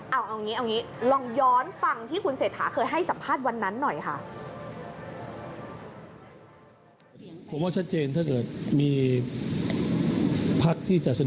เอาอย่างนี้เอาอย่างนี้